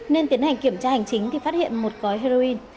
nên tiến hành kiểm tra hành chính thì phát hiện một gói heroin